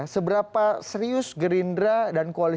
seberapa serius gerindra dan koalisi